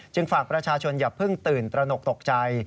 ฝากประชาชนอย่าเพิ่งตื่นตระหนกตกใจ